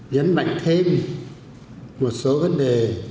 dẫn mạnh thêm một số vấn đề